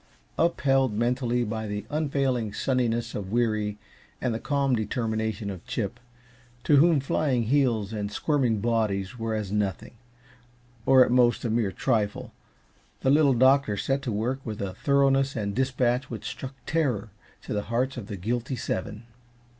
Upheld mentally by the unfailing sunniness of Weary and the calm determination of Chip, to whom flying heels and squirming bodies were as nothing, or at most a mere trifle, the Little Doctor set to work with a thoroughness and dispatch which struck terror to the hearts of the guilty seven.